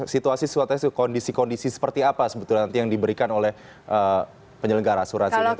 situasi suatu kondisi kondisi seperti apa sebetulnya nanti yang diberikan oleh penyelenggara asuransi pendidikan